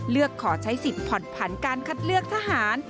เลือกขอใช้สิทธิ์ผ่อนผันการคัดเลือกทหาร